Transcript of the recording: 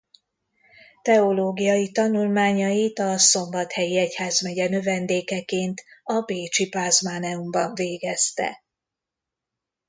Teológiai tanulmányait a Szombathelyi egyházmegye növendékeként a bécsi Pázmáneumban végezte.